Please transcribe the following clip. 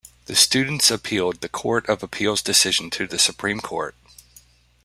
The students appealed the Court of Appeal's decision to the Supreme Court.